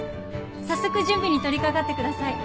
早速準備に取りかかってください。